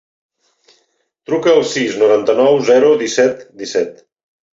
Truca al sis, noranta-nou, zero, disset, disset.